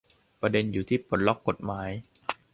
ประเด็นอยู่ที่ปลดล็อคกฎหมาย